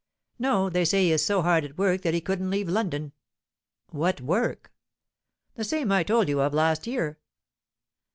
"No. They say he is so hard at work that he couldn't leave London." "What work?" "The same I told you of last year."